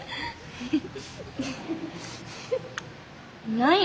何や？